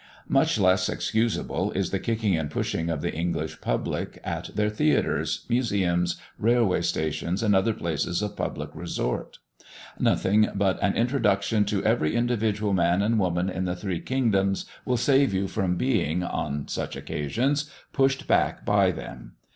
Much less excusable is the kicking and pushing of the English public at their theatres, museums, railway stations, and other places of public resort. Nothing but an introduction to every individual man and woman in the three kingdoms will save you from being, on such occasions, pushed back by them.